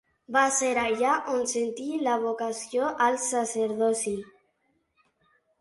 Va ser allà on sentí la vocació al sacerdoci.